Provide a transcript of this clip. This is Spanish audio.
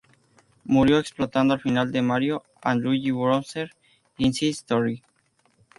Murió explotando al final de Mario and Luigi Bowser Inside Story.